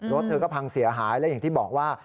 รถเธอก็พังเสียหายและอย่างที่บอกว่า